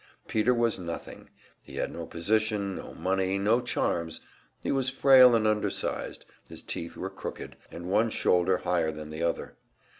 Peter was nothing; he had no position, no money, no charms; he was frail and undersized, his teeth were crooked, and one shoulder higher than the other.